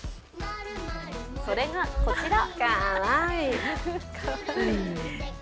それがこちら！